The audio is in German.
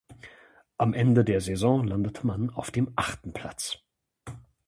Am Ende der Saison landete man auf dem achten Platz.